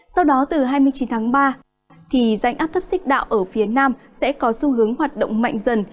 sau đó từ hai mươi chín tháng ba rãnh áp thấp xích đạo ở phía nam sẽ có xu hướng hoạt động mạnh dần